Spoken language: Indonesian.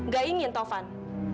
gak ingin taufan